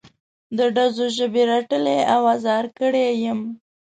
د ډزو ژبې رټلی او ازار کړی یم.